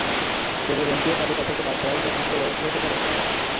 কেবল MPO তালিকা থেকে বাদ দেওয়াই কি একমাত্র ব্যবস্থা হতে পারে?